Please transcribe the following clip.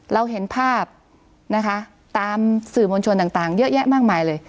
เราเห็นภาพนะคะตามสื่อมวลชนต่างเยอะแยะมากมายเลย